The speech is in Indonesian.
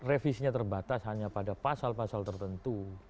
revisinya terbatas hanya pada pasal pasal tertentu